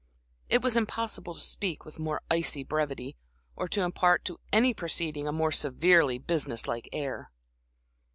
It was impossible to speak with more icy brevity, or to impart to any proceeding a more severely business like air.